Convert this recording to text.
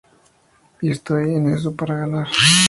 Y estoy en esto para ganar".